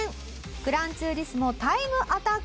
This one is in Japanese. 『グランツーリスモ』タイムアタック大会！